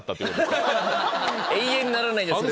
永遠にならないじゃん。